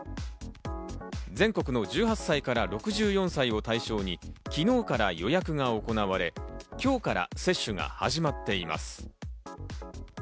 全国の１８歳から６４歳を対象に昨日から予約が行われ、今日から接種が始まっています。